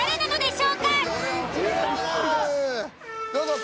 どうぞ。